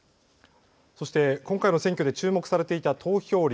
そして今回の選挙で注目されていた投票率。